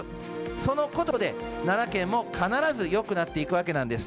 そのことで、奈良県も必ずよくなっていくわけなんです。